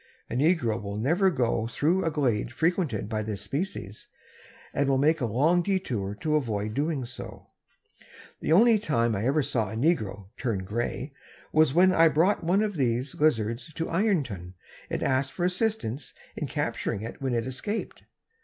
A negro will never go through a glade frequented by this species, and will make a long detour to avoid doing so. The only time I ever saw a negro 'turn gray' was when I brought one of these lizards to Ironton and asked for assistance in capturing it when it escaped.